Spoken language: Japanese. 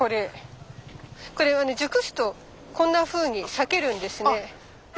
これはね熟すとこんなふうに裂けるんですね。